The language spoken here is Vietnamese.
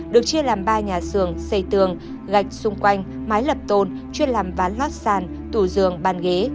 được chia làm ba nhà sưởng xây tường gạch xung quanh máy lập tôn chuyên làm ván lót sàn tủ giường bàn ghế